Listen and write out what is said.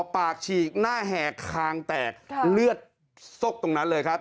ปากฉีกหน้าแห่คางแตกเลือดซกตรงนั้นเลยครับ